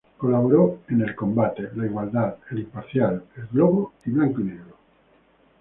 Colaboró en "El Combate", "La Igualdad", "El Imparcial", "El Globo" y "Blanco y Negro".